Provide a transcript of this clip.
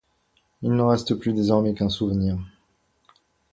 Il n'en reste plus désormais qu'un souvenir.